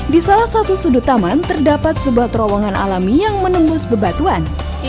di salah satu sudut taman terdapat sebuah terowongan alami yang menembus bebatuan